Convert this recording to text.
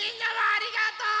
ありがとう！